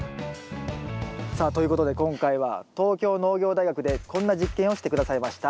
さあということで今回は東京農業大学でこんな実験をして下さいました。